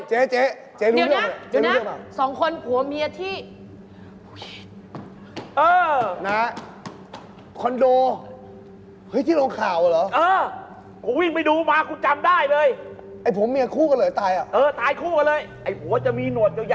เฮ้อเฮ้อเล่าทีหลังระวังป่ะหนาอะไรหนาทำไมเอ่อเอ่อเอ่อเอ่อ